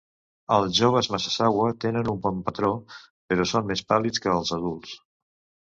Els joves massasauga tenen un bon patró però són més pàl·lids que els adults.